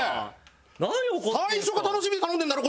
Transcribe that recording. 最初が楽しみで頼んでんだろ！